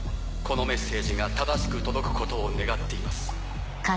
このメッセージが正しく届くことを願っています。